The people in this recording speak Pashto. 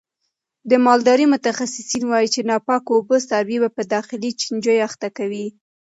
د مالدارۍ متخصصین وایي چې ناپاکه اوبه څاروي په داخلي چنجیو اخته کوي.